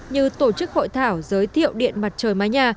như tổ chức hội thảo giới thiệu điện mặt trời mái nhà